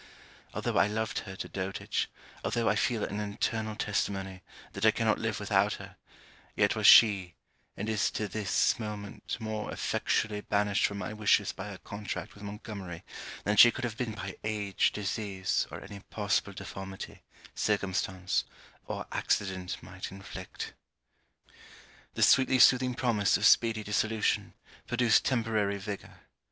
Although I loved her to dotage, although I feel an internal testimony that I cannot live without her, yet was she, and is to this moment, more effectually banished from my wishes by her contract with Montgomery, than she could have been by age, disease, or any possible deformity, circumstance or accident might inflict. The sweetly soothing promise of speedy dissolution, produced temporary vigour.